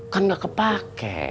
kan nggak kepake